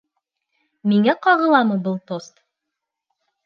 Миңә ҡағыламы был тост?